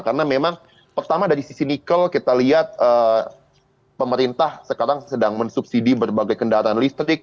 karena memang pertama dari sisi nikel kita lihat pemerintah sekarang sedang mensubsidi berbagai kendaraan listrik